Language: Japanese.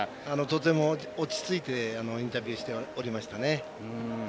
とても落ち着いてインタビューしておりましたね。